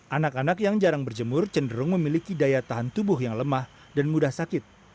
anak anak yang jarang berjemur cenderung memiliki daya tahan tubuh yang lemah dan mudah sakit